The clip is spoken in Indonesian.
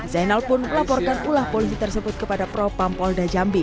zainal pun melaporkan ulah polisi tersebut kepada pro pampol da jambi